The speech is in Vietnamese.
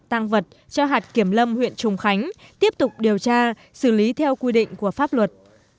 tăng vật cho hạt kiểm lâm huyện trùng khánh tiếp tục điều tra xử lý theo quy định của pháp luật